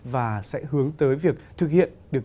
và sẽ hướng tới việc thực hiện được